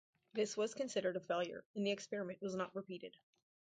This was considered a failure and the experiment was not repeated.